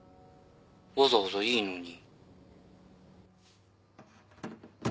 わざわざいいのに。